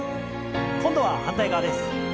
今度は反対側です。